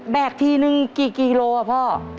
แบกทีหนึ่งกี่กิโลครับพ่อ